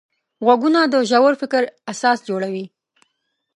غوږونه د ژور فکر اساس جوړوي